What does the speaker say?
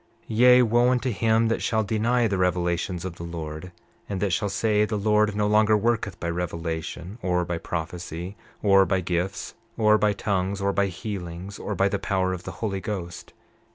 29:6 Yea, wo unto him that shall deny the revelations of the Lord, and that shall say the Lord no longer worketh by revelation, or by prophecy, or by gifts, or by tongues, or by healings, or by the power of the Holy Ghost!